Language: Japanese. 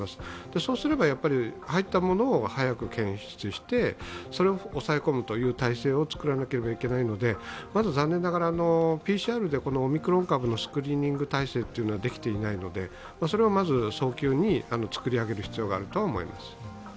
そうすれば入ったものを早く検出してそれを抑え込むという体制を早くつくらなければいけないので、まだ残念ながら、ＰＣＲでこのオミクロン株の検査の体制はできていないので、それはまず早急に作り上げる必要があるとは思います。